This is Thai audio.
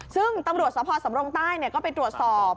ซึ่งตำรวจสมภสสำรงค์ใต้เนี่ยก็ไปตรวจสอบ